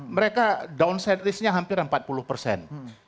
mereka down set risknya hampir empat puluh persen